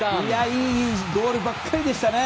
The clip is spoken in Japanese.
いいゴールばかりでした。